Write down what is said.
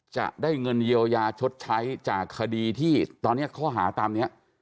จะได้เงินเยียวยาชดใช้จากคดีที่ตอนนี้ข้อหาตามนี้